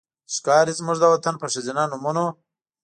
ښکاري زموږ د وطن په ښځېنه نومونو